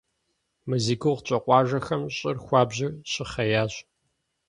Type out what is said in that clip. Мы зи гугъу тщӀы къуажэхэм щӀыр хуабжьу щыхъеящ.